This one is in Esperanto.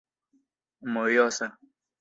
mojosa